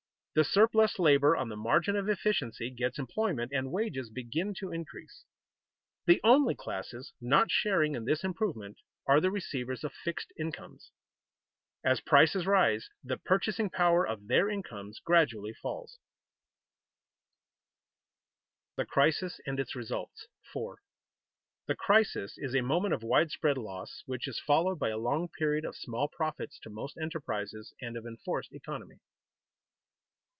The surplus labor on the margin of efficiency gets employment, and wages begin to increase. The only classes not sharing in this improvement are the receivers of fixed incomes. As prices rise, the purchasing power of their incomes gradually falls. [Sidenote: The crisis and its results] 4. _The crisis is a moment of widespread loss, which is followed by a long period of small profits to most enterprises, and of enforced economy.